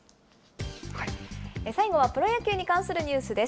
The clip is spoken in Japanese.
最後はプロ野球に関するニュースです。